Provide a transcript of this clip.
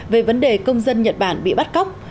về vấn đề công dân nhật bản bị bắt cóc